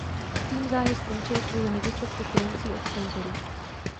Tým záhy skončil kvůli nedostatku financí od sponzorů.